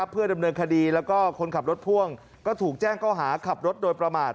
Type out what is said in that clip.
เพื่อดำเนินคดีแล้วก็คนขับรถพ่วงก็ถูกแจ้งเขาหาขับรถโดยประมาท